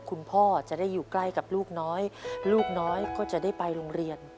คุณพ่อจะได้อยู่ใกล้กับลูกน้อยลูกน้อยก็จะได้ไปโรงเรียน